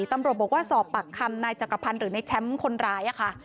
ตำรวจบอกว่าสอบปากคำนายจักรพันธ์หรือในแชมป์คนร้ายค่ะ